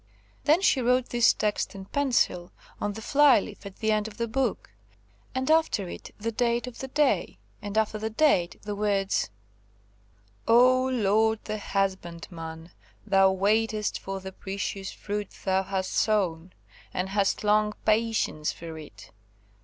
Then she wrote this text in pencil, on the fly leaf at the end of the book, and after it the date of the day, and after the date the words, "Oh, Lord, the husbandman, Thou waitest for the precious fruit Thou hast sown, and hast long patience for it!